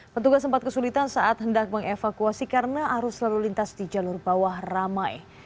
petugas sempat kesulitan saat hendak mengevakuasi karena arus lalu lintas di jalur bawah ramai